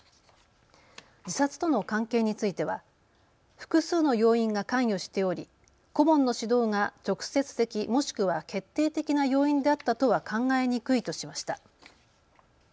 自殺との関係については複数の要因が関与しており顧問の指導が直接的もしくは決定的な要因であったとは考えにくいとしました。